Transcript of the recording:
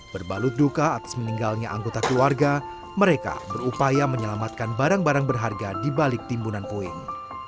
berbalut duka atas meninggalnya anggota keluarga mereka berupaya menyelamatkan barang barang berharga di balik timbunan puing